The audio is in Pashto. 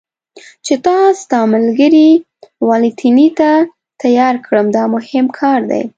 چې تا ستا ملګري والنتیني ته تیار کړم، دا مهم کار دی.